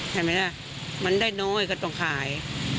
เห็นมั้ยล่ะมันได้น้อยก็ต้องขาย